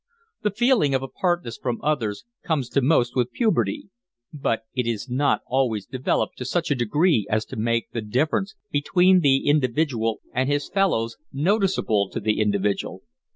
The feeling of apartness from others comes to most with puberty, but it is not always developed to such a degree as to make the difference between the individual and his fellows noticeable to the individual.